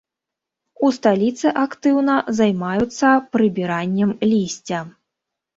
У сталіцы актыўна займаюцца прыбіраннем лісця.